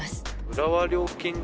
浦和料金所